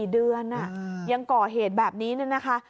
๔เดือนยังก่อเหตุแบบนี้เนี่ยนะคะ